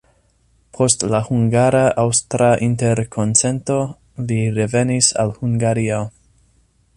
Post la hungara-aŭstra interkonsento, li revenis al Hungario.